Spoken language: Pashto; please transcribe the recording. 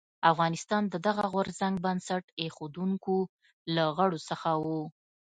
افغانستان د دغه غورځنګ بنسټ ایښودونکو له غړو څخه و.